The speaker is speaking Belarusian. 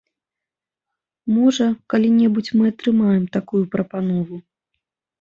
Можа, калі-небудзь мы атрымаем такую прапанову.